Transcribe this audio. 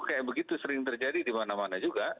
kayak begitu sering terjadi dimana mana juga